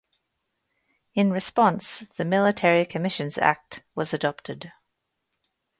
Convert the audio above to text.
In response the Military Commissions Act was adopted.